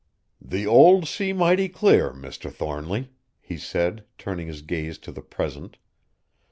"The old see mighty clar, Mr. Thornly," he said, turning his gaze to the present.